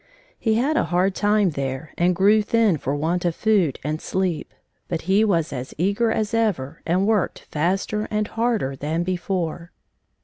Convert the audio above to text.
He had a hard time there and grew thin for want of food and sleep, but he was as eager as ever and worked faster and harder than before.